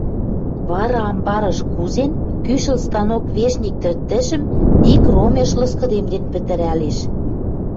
Вара, амбарыш кузен, кӱшӹл станок вешник тӹртӹшӹм ик ромеш лыскыдемден пӹтӹрӓлеш.